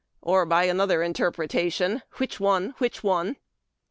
" or, by another interpretation, "Which one''' Which one?"